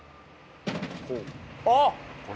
あっ。